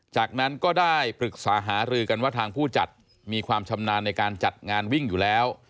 จากนั้นก็ได้ปรึกษาหารือกันว่าทางผู้จัดมีความชำนาญในการจัดงานวิ่งอยู่แล้ว